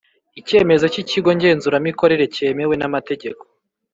icyemezo cy ikigo ngenzuramikorere cyemewe namategeko